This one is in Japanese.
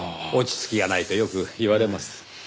落ち着きがないとよく言われます。